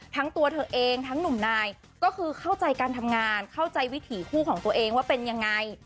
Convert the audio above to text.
ทั้งตัวเธอเองทั้งหนุ่มนายก็คือเข้าใจการทำงานเข้าใจวิถีคู่ของตัวเองว่าเป็นยังไง